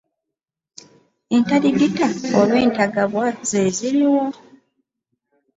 Entaligita oba entagabwa ze ziriwa?.